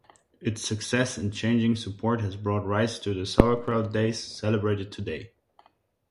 Its success in changing support has brought rise to the Sauerkraut Days celebrated today.